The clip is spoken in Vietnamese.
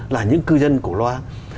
là những cư dân cổ loa